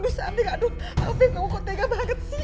disambil aduh afif kamu kok tega banget sih